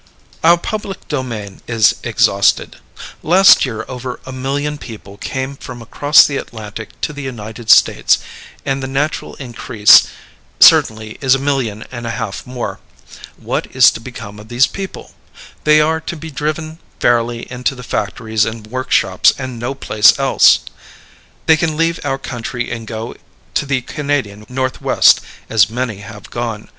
Our public domain is exhausted. Last year over a million people came from across the Atlantic to the United States, and the natural increase certainly is a million and a half more. What is to become of these people? They are to be driven fairly into the factories and workshops and no place else. They can leave our country and go to the Canadian Northwest, as many have gone.